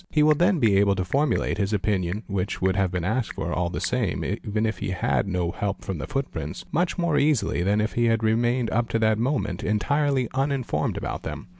He will then be able to formulate his opinion, which would have been asked for all the same even if he had no help from the footprints, | much more easily than if he had remained up to that moment entirely uninformed about them.